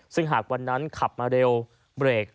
ซึ่งหากวันนั้นขับมาเร็วเบรก